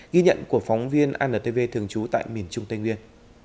ghi nhận của phóng viên antv thường trú tại miền trung tây nguyên